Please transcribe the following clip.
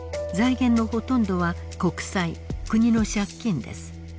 財源のほとんどは国債国の借金です。